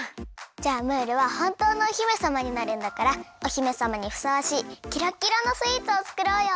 じゃあムールはほんとうのお姫さまになるんだからお姫さまにふさわしいキラキラのスイーツをつくろうよ。